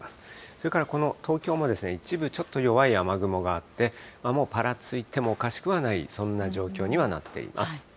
それからこの東京も一部、ちょっと弱い雨雲があって、もうぱらついてもおかしくはない、そんな状況にはなっています。